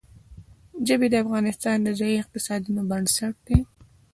ژبې د افغانستان د ځایي اقتصادونو بنسټ دی.